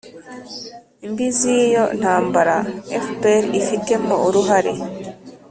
mbi z'iyo ntambara fpr ifitemo uruhare.